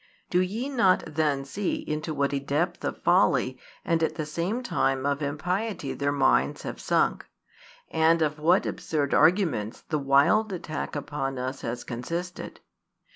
Do ye not then see into what a depth of folly and at the same time of impiety their minds have sunk, and of what absurd arguments the wild attack upon us has consisted?